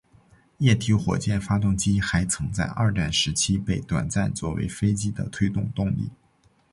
液体火箭发动机还曾在二战时期被短暂作为飞机的推进动力。